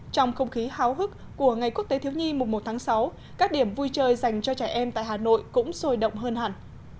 trong không khí háo hức của ngày quốc tế thiếu nhi mùng một tháng sáu các điểm vui chơi dành cho trẻ em tại hà nội cũng sôi động hơn hẳn